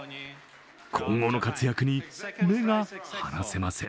今後の活躍に目が離せません。